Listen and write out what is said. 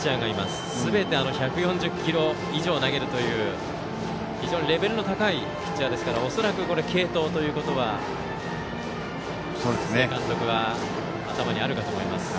すべて１４０キロ以上投げるという非常にレベルの高いピッチャーですから恐らく、継投ということは須江監督は頭にあるかと思います。